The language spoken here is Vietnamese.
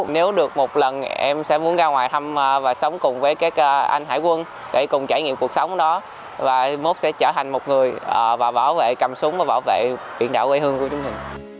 nếu được một lần em sẽ muốn ra ngoài thăm và sống cùng với các anh hải quân để cùng trải nghiệm cuộc sống đó và iốt sẽ trở thành một người và bảo vệ cầm súng và bảo vệ biển đảo quê hương của chúng mình